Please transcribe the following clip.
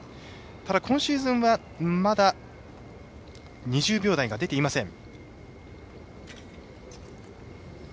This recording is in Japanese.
今シーズンはまだ２０秒台が出ていません。